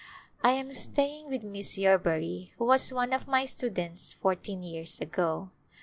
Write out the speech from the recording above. I am staying with Miss Yerbury, who was one of my students fourteen years ago.